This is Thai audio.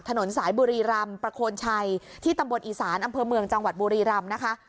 ถนนสายบุรีรำประโคนชัยที่ตำบลอีสานอำเภอเมืองจังหวัดบุรีรำนะคะ